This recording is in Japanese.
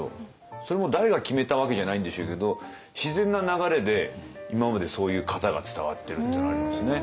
それも誰が決めたわけじゃないんでしょうけど自然な流れで今までそういう型が伝わってるっていうのはありますね。